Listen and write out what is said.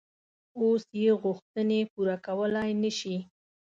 اوس یې غوښتنې پوره کولای نه شي.